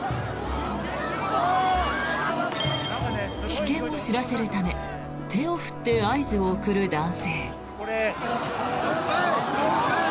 危険を知らせるため手を振って合図を送る男性。